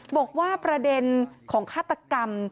บอกว่าประเด็นของฆาตกรรม